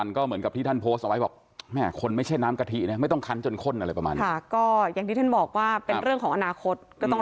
ผมถามว่าทุกวันนี้พระสงฆ์ที่กล้าพูดความจริง